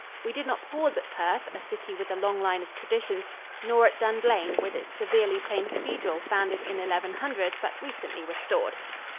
We did not pause at Perth, a city with a long line of traditions, nor at Dunblane, with its severely plain cathedral founded in 1100 but recently restored.